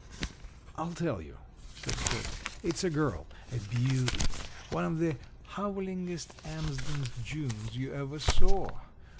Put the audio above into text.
"I'll tell you," said Tripp. "It's a girl. A beauty. One of the howlingest Amsden's Junes you ever saw.